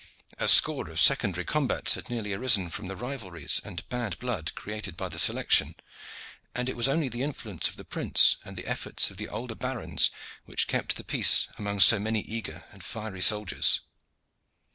A score of secondary combats had nearly arisen from the rivalries and bad blood created by the selection, and it was only the influence of the prince and the efforts of the older barons which kept the peace among so many eager and fiery soldiers.